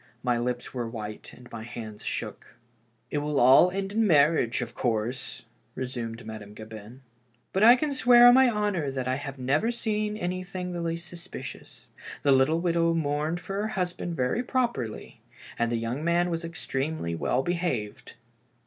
My lips were white and my hands shook. "It will end in a marriage, of course," resumed Ma dame Gabin. " But I can swear on my honor that I have never seen anything the least suspicious. The little widow mourned for her husband very properly, and the young man was extremely well behaved.